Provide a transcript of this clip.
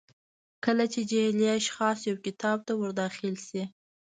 کله چې جعلي اشخاص یو کتاب ته ور داخل شي.